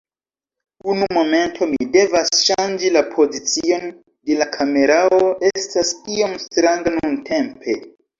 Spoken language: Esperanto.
Unu momento, mi devas ŝanĝi la pozicion de la kamerao, estas iom stranga nuntempe.